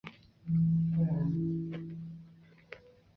银州柴胡为伞形科柴胡属下的一个种。